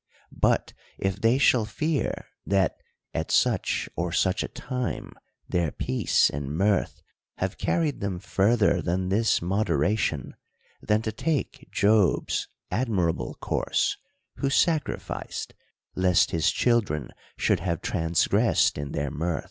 But if they shall fear that, at such or such a time, their peace and mirth have carried them further than this moderation ; then to take Job's admirable course, who sacrificed, lest his children should have transgressed in their mirth.